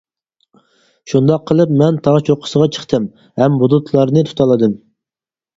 شۇنداق قىلىپ، مەن تاغ چوققىسىغا چىقتىم، ھەم بۇلۇتلارنى تۇتالىدىم.